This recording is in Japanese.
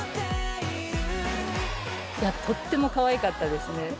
とってもかわいかったですね。